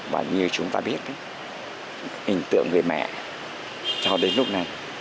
và như chúng ta biết hình tượng người mẹ cho đến lúc này